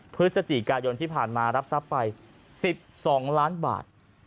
พฤศจิกายนที่ผ่านมารับทรัพย์ไป๑๒ล้านบาท